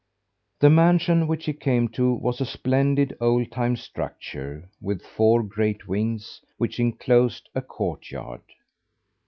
The mansion which he came to was a splendid, old time structure with four great wings which inclosed a courtyard.